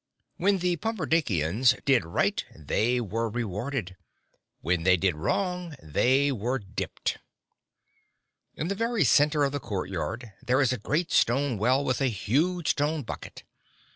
When the Pumperdinkians did right they were rewarded; when they did wrong they were dipped. In the very center of the courtyard there is a great stone well with a huge stone bucket.